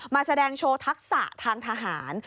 มาแสดงโชว์ทักษะทางทหาร